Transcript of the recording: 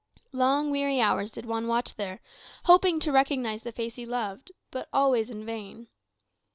Long weary hours did Juan watch there, hoping to recognize the face he loved. But always in vain.